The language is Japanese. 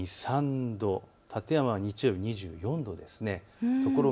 ２３度、館山は日曜日２４度です。